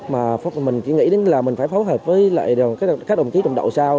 mà mình chỉ nghĩ là mình phải phối hợp với các đồng chí trọng đậu sao